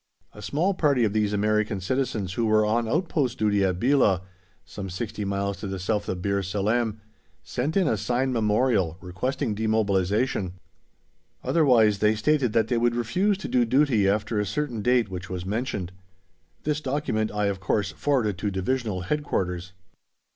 A small party of these American citizens who were on outpost duty at Belah, some sixty miles to the south of Bir Salem, sent in a signed memorial requesting demobilization; otherwise they stated that they would refuse to do duty after a certain date which was mentioned. This document I, of course, forwarded to Divisional Headquarters.